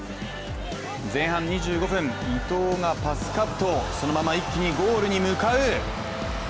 前半２５分、伊東がパスカットそのまま一気にゴールに向かう。